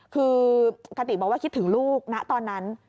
คือคติบอกว่าคิดถึงลูกนะตอนนั้น